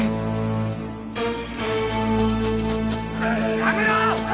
やめろ！